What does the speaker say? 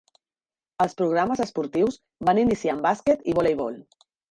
Els programes esportius van iniciar amb bàsquet i voleibol.